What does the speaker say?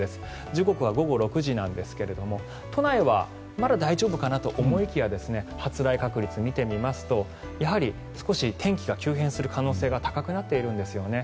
時刻は午後６時なんですが都内はまだ大丈夫かなと思いきや発雷確率見てみますとやはり、少し天気が急変する可能性が高くなっているんですよね。